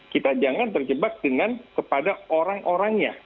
kita jangan terjebak dengan kepada orang orangnya